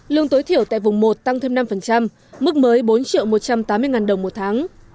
lương tối thiểu tại vùng một tăng thêm năm mức mới bốn một trăm tám mươi đồng một tháng